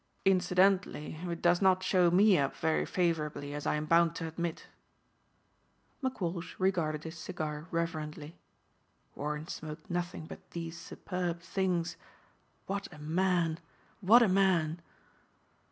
"Incidentally it does not show me up very favorably as I'm bound to admit." McWalsh regarded his cigar reverently. Warren smoked nothing but these superb things. What a man! What a man!